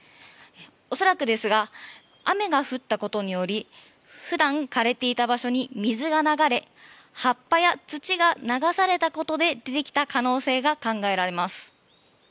恐らくですが雨が降ったことにより普段枯れていた場所に水が流れ葉っぱや土が流されたことで出てきた可能性が考えられます。